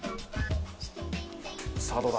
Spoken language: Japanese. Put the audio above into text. さあどうだ？